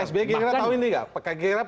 pak s b kira kira tahu ini nggak